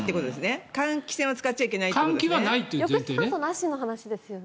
換気扇を使っちゃいけないということですね。